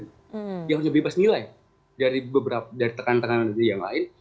yang sudah bebas nilai dari tekan tekanan dari yang lain